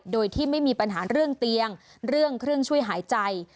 โดยที่ไม่มีปัญหาเรื่องเตียงเรื่องเครื่องช่วยหายใจ